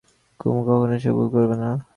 কুমু কখনো সে ভুল করবে না।